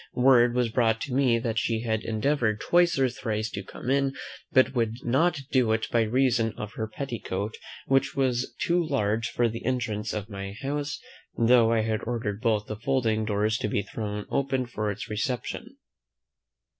Word was brought me that she had endeavoured twice or thrice to come in, but could not do it by reason of her petticoat, which was too large for the entrance of my house, though I had ordered both the folding doors to be thrown open for its reception.